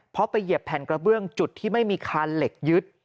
เพราะไปเหยียบแผ่นกระเบื้องจุดที่ไม่มีคานเหล็กยึด